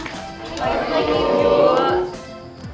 selamat pagi bu